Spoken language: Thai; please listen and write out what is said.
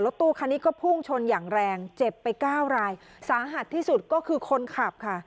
ตู้คันนี้ก็พุ่งชนอย่างแรงเจ็บไปเก้ารายสาหัสที่สุดก็คือคนขับค่ะ